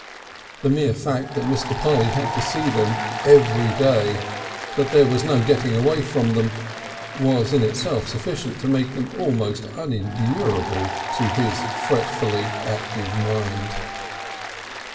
The mere fact that Mr. Polly had to see them every day, that there was no getting away from them, was in itself sufficient to make them almost unendurable to his frettingly active mind.